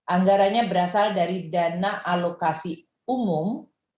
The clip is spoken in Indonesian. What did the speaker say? anggarannya berasal dari dana alokasi umum